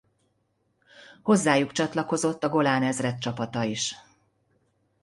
Hozzájuk csatlakozott a Golán Ezred csapata is.